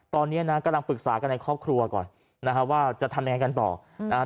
ตอนนี้นะกำลังปรึกษากันในครอบครัวก่อนนะฮะว่าจะทำยังไงกันต่อนะฮะ